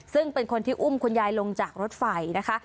ซึ่งเป็นคนที่อุ้มคุณยายลงจากรถไฟนะคะ